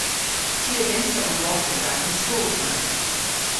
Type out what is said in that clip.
Ty a vynnsa ombrofya rag an soodh ma.